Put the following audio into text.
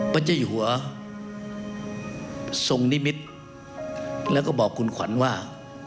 พระเจ้าอยู่หัวทรงนิมิตรแล้วก็บอกคุณขวัญว่า